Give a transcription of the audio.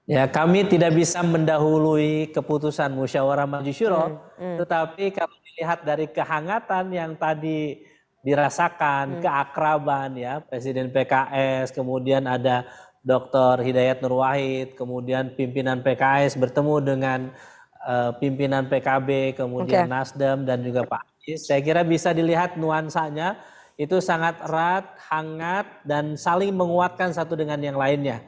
ya kami tidak bisa mendahului keputusan musyawarah majiswara tetapi kalau dilihat dari kehangatan yang tadi dirasakan keakraban ya presiden pks kemudian ada dr hidayat nurwahid kemudian pimpinan pks bertemu dengan pimpinan pkb kemudian nasdem dan juga pak anies saya kira bisa dilihat nuansanya itu sangat erat hangat dan saling menguatkan satu dengan yang lainnya